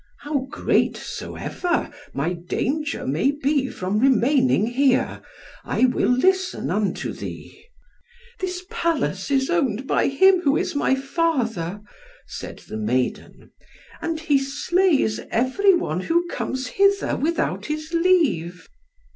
"How great soever my danger may be from remaining here, I will listen unto thee." "This Palace is owned by him who is my father," said the maiden, "and he slays every one who comes hither without his leave."